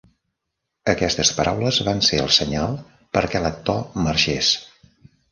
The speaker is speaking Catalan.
Aquestes paraules van ser el senyal perquè l'actor marxés.